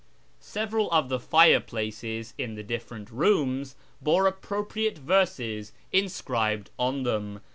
" Several of the fireplaces in the different rooms bore ippropriate verses inscribed on them.